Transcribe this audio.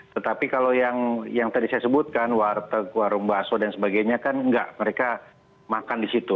tetapi kalau yang tadi saya sebutkan warteg warung bakso dan sebagainya kan enggak mereka makan di situ